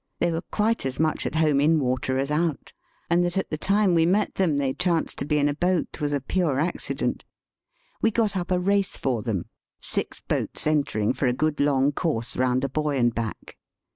They were quite as much at home in water as out, and that at the time we met them they chanced to be in a boat was a pure accident. We got up a race for them, six boats entering for a good long course round a buoy and back.